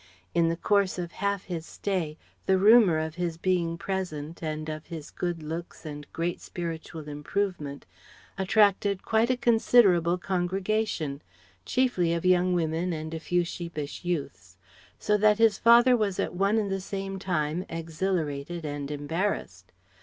In the course of half his stay the rumour of his being present and of his good looks and great spiritual improvement attracted quite a considerable congregation, chiefly of young women and a few sheepish youths; so that his father was at one and the same time exhilarated and embarrassed.